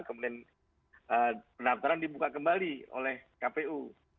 kemudian pendaftaran dibuka kembali oleh kpu